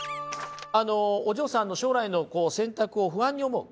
お嬢さんの将来の選択を不安に思う